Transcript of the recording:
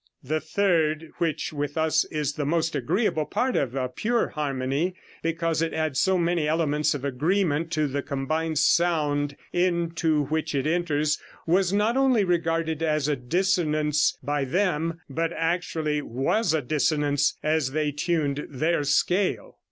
The third, which with us is the most agreeable part of a pure harmony, because it adds so many elements of agreement to the combined sound into which it enters, was not only regarded as a dissonance by them, but actually was a dissonance as they tuned their scale.